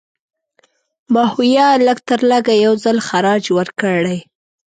ماهویه لږترلږه یو ځل خراج ورکړی.